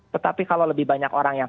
tetapi kalau lebih banyak orang yang